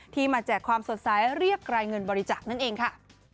มาแจกความสดใสเรียกรายเงินบริจาคนั่นเองค่ะ